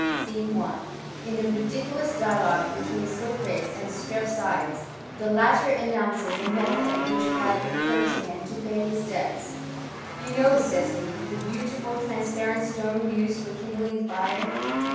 scene 1, in the ridicu 3 dialogue between Socrates and Strepsiades, the er announces a method which had occurred to him >ay his debts. " You know," says he, " the beautiM laparent stone used for kindling fire."